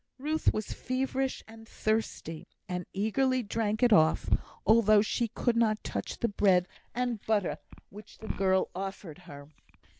Ruth was feverish and thirsty, and eagerly drank it off, although she could not touch the bread and butter which the girl offered her.